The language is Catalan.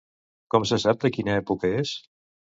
Com se sap de quina època és?